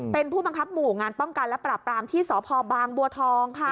เป็นผู้บังคับหมู่งานป้องกันและปรับปรามที่สพบางบัวทองค่ะ